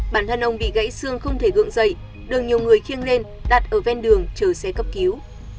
bản thân ông bị gãy xương không thể gượng dậy đường nhiều người khiêng lên đặt ở ven đường chờ xe cấp cứu